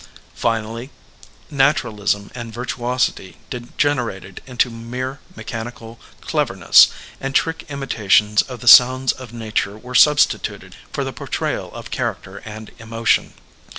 Finally naturalism and virtuosity degener ated into mere mechanical cleverness, and trick imi tations of the sounds of nature were substituted for the portrayal of character and emotion.